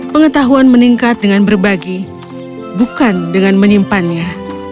pengetahuan meningkat dengan berbagi bukan dengan menyimpannya